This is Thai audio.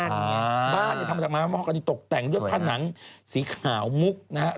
บ้านเนี่ยทำมาจากม้าหม้ออันนี้ตกแต่งด้วยผนังสีขาวมุกนะครับ